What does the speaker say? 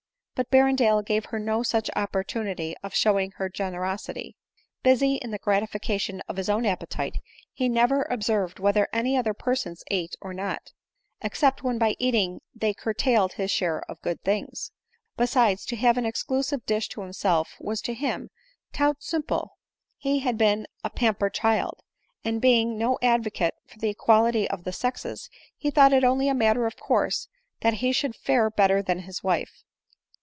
But Berrendale gave her no such opportunity of showing her generosity ; busy in the gratification of his own appetite, he never observed whether any other per * sons ate or not, except when by eating they curtailed his share of good things ;— besides, to have an exclusive dish to himself was to him tout simple ; he had been a pam pered child ; and, being no advocate for the equality of the sexes, he thought it only a matter of course that he should fare better than his wife.